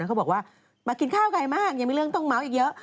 เขาบอกว่ามากินข้าวไกลมากยังมีเรื่องต้องเมาส์อีกเยอะ